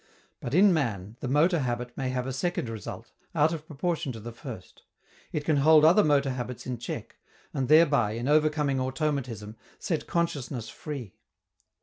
But, in man, the motor habit may have a second result, out of proportion to the first: it can hold other motor habits in check, and thereby, in overcoming automatism, set consciousness free.